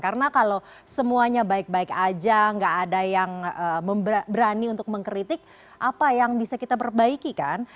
karena kalau semuanya baik baik saja tidak ada yang berani untuk mengkritik apa yang bisa kita perbaikikan